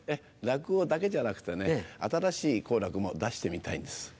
落語だけじゃなくてね新しい好楽も出してみたいんです。